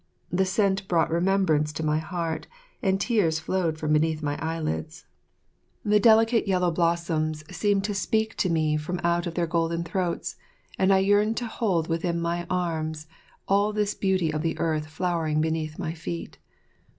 The scent brought remembrance to my heart, and tears flowed from beneath my eyelids. The delicate yellow blossoms seemed to speak to me from out their golden throats, and I yearned to hold within my arms all this beauty of the earth flowering beneath my feet.